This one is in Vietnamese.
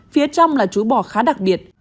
phía trong là chú bò khá đặc biệt